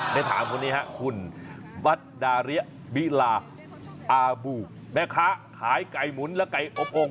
ได้ถามคนนี้ฮะคุณบัตดาริยบิลาอาบูแม่ค้าขายไก่หมุนและไก่อบโอ่ง